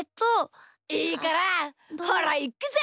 いいから！ほらいくぜ！